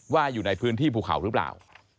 อยู่ในพื้นที่ภูเขาหรือเปล่า